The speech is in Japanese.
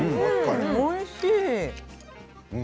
おいしい。